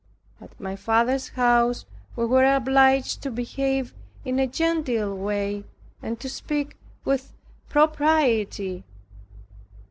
At my father's house we were obliged to behave in a genteel way, and to speak with propriety.